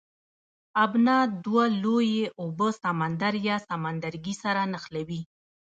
ابنا دوه لویې اوبه سمندر یا سمندرګی سره نښلوي.